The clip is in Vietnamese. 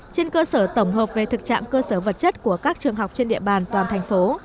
trên cơ sở tổng hợp về thực trạng cơ sở vật chất của các trường học trên địa bàn toàn thành phố